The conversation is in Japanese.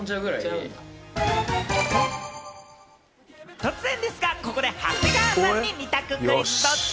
突然ですが、ここで長谷川さんに二択クイズ、ドッチ？